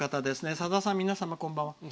「さださん、皆様こんばんは。